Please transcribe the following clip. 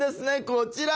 こちら！